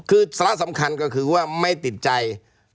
คือสาระสำคัญก็คือว่าไม่ติดใจ